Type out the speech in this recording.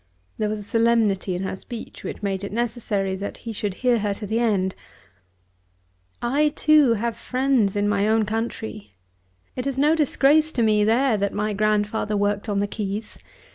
There was a solemnity in her speech which made it necessary that he should hear her to the end. "I, too, have my friends in my own country. It is no disgrace to me there that my grandfather worked on the quays.